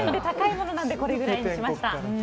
高いものなのでこれぐらいにしました。